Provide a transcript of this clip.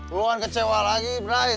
gue kan kecewa lagi brah